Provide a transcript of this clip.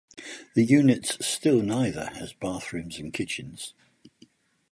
The units still neither has bathrooms and kitchens.